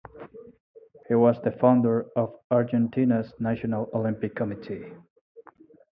He was the founder of Argentina's National Olympic Committee.